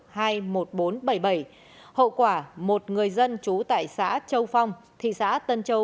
hậu quả một người dân trú tại xã châu phong thị xã tân châu